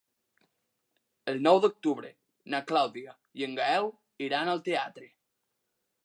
El nou d'octubre na Clàudia i en Gaël iran al teatre.